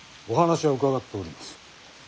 お話は伺っております。